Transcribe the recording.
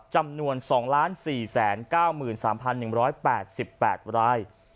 จำนวน๒๔๙๓๑๘๘ราย